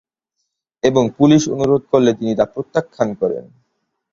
এবং পুলিশ অনুরোধ করলে তিনি তা প্রত্যাখ্যান করেন।